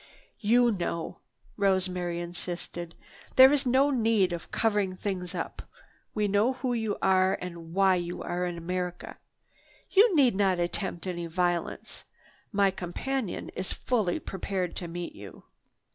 "You know," Rosemary insisted, "there is no need of covering things up. We know who you are and why you are in America. You need not attempt any violence. My companion is fully prepared to meet you."